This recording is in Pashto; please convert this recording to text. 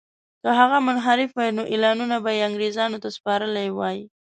که هغه منحرف وای نو اعلانونه به یې انګرېزانو ته سپارلي وای.